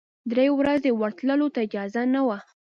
درې ورځې ورتللو ته اجازه نه وه.